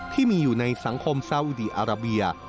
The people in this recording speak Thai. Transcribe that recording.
ที่มีอยู่ในสังคมซาอุดีอาราเบีย